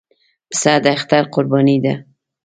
پسه د اختر قرباني ده.